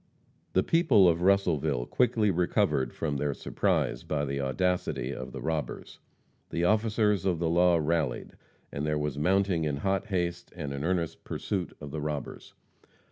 The people of Russellville quickly recovered from their surprise by the audacity of the robbers. The officers of the law rallied, and there was mounting in hot haste and an earnest pursuit of the robbers.